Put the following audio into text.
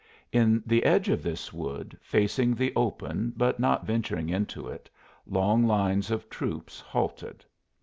In the edge of this wood, facing the open but not venturing into it, long lines of troops, halted.